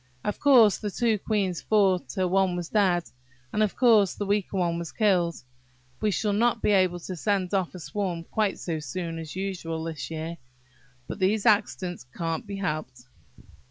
Of course the two queens fought till one was dead; and, of course, the weaker one was killed. We shall not be able to send off a swarm quite so soon as usual this year; but these accidents can't be helped."